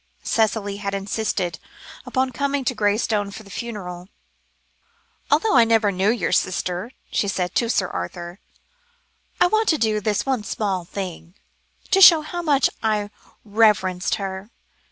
Cicely had insisted upon coming to Graystone for the funeral. "Although I never knew your sister," she said to Sir Arthur, "I want to do this one small thing, to show how much I reverenced her.